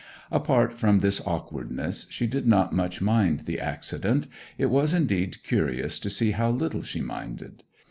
Apart from this awkwardness she did not much mind the accident. It was indeed curious to see how little she minded.